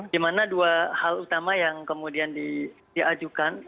di mana dua hal utama yang kemudian diajukan